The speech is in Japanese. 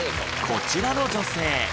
こちらの女性